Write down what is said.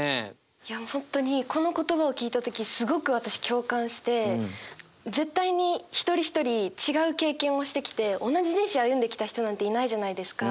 いや本当にこの言葉を聞いた時すごく私共感して絶対に一人一人違う経験をしてきて同じ人生を歩んできた人なんていないじゃないですか。